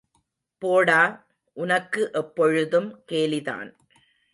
போடா, உனக்கு எப்பொழுதும் கேலிதான்.